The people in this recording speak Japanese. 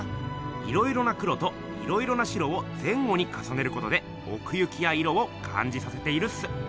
いろいろな黒といろいろな白を前後にかさねることでおく行きや色をかんじさせているっす。